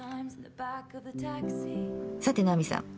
さて奈美さん